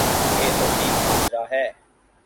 یہ عجیب ماجرا ہے۔